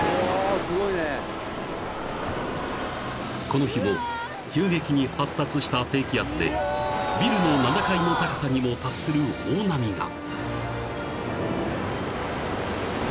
［この日も急激に発達した低気圧でビルの７階の高さにも達する大波が］